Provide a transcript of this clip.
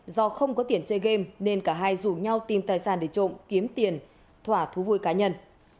do không có tiền chơi game nên cả hai rủ nhau tìm tài sản để trộm kiếm tiền thỏa thú vui cá nhân